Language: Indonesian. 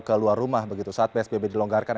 ke luar rumah begitu saat psbb dilonggarkan